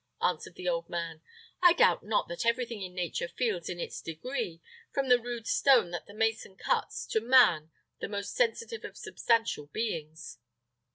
answered the old man. "I doubt not that everything in nature feels in its degree, from the rude stone that the mason cuts, to man, the most sensitive of substantial beings."